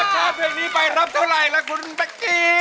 แล้วข้ามเพลงนี้ไปรับเท่าไรล่ะคุณแมกกี้